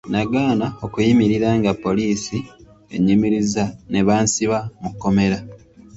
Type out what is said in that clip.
Nagaana okuyimirira nga poliisi ennyimirizza ne bansiba mu kkomera.